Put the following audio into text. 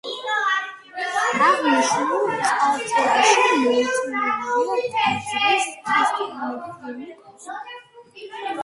აღნიშნულ წარწერაში მოხსენიებულია ტაძრის ქტიტორები ვინმე კონსტანტი და მამა მიქელი.